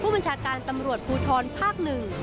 บัญชาการตำรวจภูทรภาคหนึ่ง